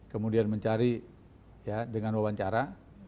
kemudian mencari dengan wawancara